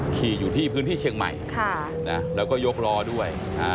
ขี่อยู่ที่พื้นที่เชียงใหม่แล้วก็ยกล้อด้วย